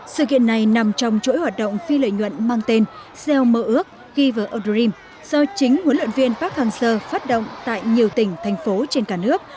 sự kiện này nằm trong chuỗi hoạt động phi lợi nhuận mang tên sel mơ ước giver of dream do chính huấn luyện viên park hang seo phát động tại nhiều tỉnh thành phố trên cả nước